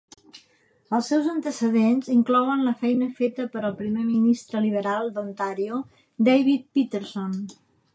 Els seus antecedents inclouen la feina feta per al primer ministre liberal d'Ontario David Peterson.